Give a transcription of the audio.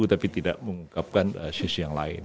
tapi tidak mengungkapkan sisi yang lain